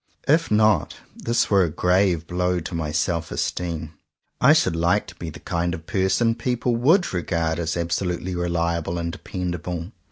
If not, this were a grave blow to my self esteem. I should like to be the kind of person people would regard as absolutely reliable and dependable.